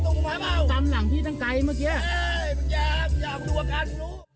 เฮ่ยมึงอยากดูกัน